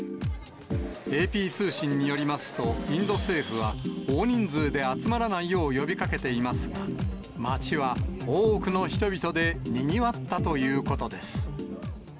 ＡＰ通信によりますと、インド政府は、大人数で集まらないよう呼びかけていますが、街は多くの人々でにぎわったということです。